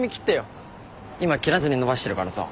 今切らずに伸ばしてるからさ。